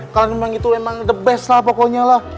kalian memang itu emang the best lah pokoknya lah